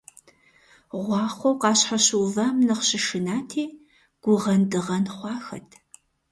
Гъуахъуэу къащхьэщыувам нэхъ щышынати, гугъэндэгъэн хъуахэт.